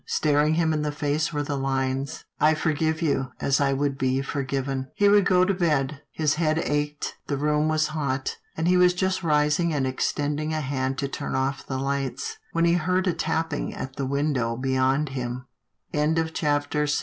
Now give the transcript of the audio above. Staring him in the face were the lines, " I forgive you, as I would be forgiven." He would go to bed. His head ached, the room was hot, and he was just rising and extending a hand to turn off the lights, when he heard a tapping at the window bey